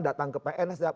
datang ke pns